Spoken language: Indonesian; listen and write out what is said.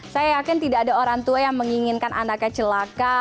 saya yakin tidak ada orang tua yang menginginkan anaknya celaka